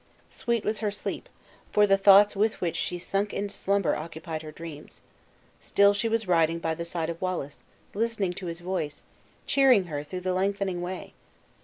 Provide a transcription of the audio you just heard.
Sweet was her sleep, for the thoughts with which she sunk into slumber occupied her dreams. Still she was riding by the side of Wallace, listening to his voice, cheering her through the lengthening way!